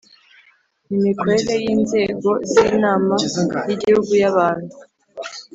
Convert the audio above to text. imikorere y inzego z Inama y Igihugu y Abantu